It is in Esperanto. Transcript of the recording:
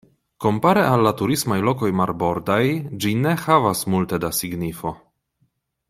Kompare al la turismaj lokoj marbordaj ĝi ne havas multe da signifo.